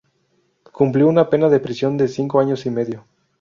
Cumplió una pena de prisión de cinco años y medio.